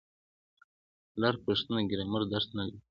لر پښتون د ګرامر درس نه لري.